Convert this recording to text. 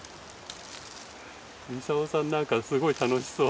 ミサオさんなんかすごい楽しそう。